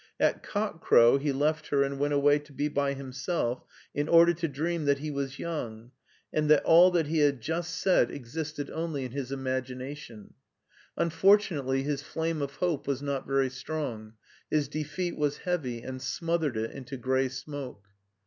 At cock crow fie left her and went away to be bv himself in order to dream that he was young and thaf all that he fiad just said 236 MARTIN SCHULER existed only in his imagination. Unfortunately, his flame of hope was not very strong: his defeat was heavy and smothered it into gray smoke.